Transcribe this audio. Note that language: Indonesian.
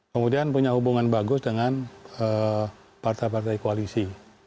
kemudian punya hubungan bagus dengan partai partai koalisi